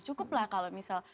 cukuplah kalau misal